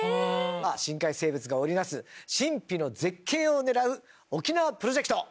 深海生物が織りなす神秘の絶景を狙う沖縄プロジェクト。